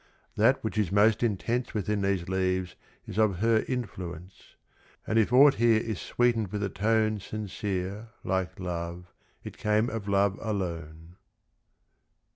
That which is most intense Within these leaves is of her influence; And if aught here is sweetened with a tone Sincere, like love, it came of love alone.